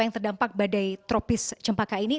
yang terdampak badai tropis cempaka ini